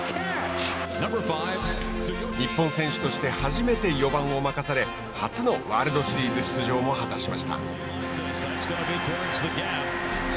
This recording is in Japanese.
日本選手として初めて４番を任され初のワールドシリーズ出場も果たしました。